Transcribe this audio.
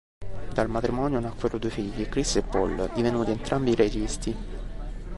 Dal matrimonio nacquero due figli Chris e Paul, divenuti entrambi registi.